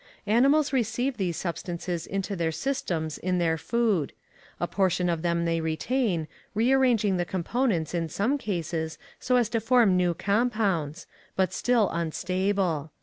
Animals receive these substances into their systems in their food. A portion of them they retain, re arranging the components in some cases so as to form new compounds, but still unstable.